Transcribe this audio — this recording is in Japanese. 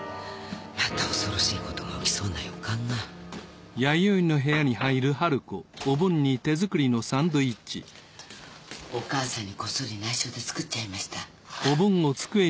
また恐ろしいことが起きそうな予感がお義母さんにコッソリナイショで作っちゃいました。